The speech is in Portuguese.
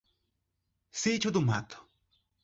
Sítio do Mato